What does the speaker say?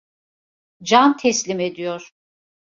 Can teslim ediyor!